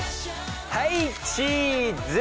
はいチーズ！